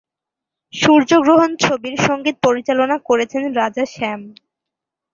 সূর্য গ্রহণ ছবির সংগীত পরিচালনা করেছেন রাজা শ্যাম।